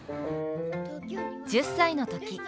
１０歳の時。